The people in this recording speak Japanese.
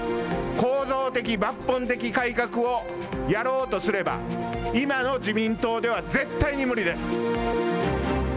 構造的、抜本的改革をやろうとすれば、今の自民党では絶対に無理です。